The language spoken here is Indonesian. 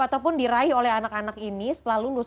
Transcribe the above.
ataupun diraih oleh anak anak ini setelah lulus